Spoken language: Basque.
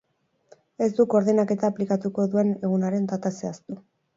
Ez du koordainketa aplikatuko duen egunaren data zehaztu.